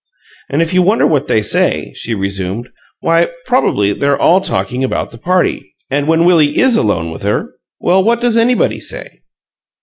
"And if you wonder what they say," she resumed, "why, probably they're all talking about the party. And when Willie IS alone with her well, what does anybody say?"